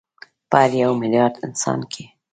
په هر یو میلیارد انسان کې